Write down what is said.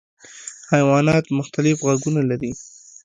حیوانات مختلف غږونه لري.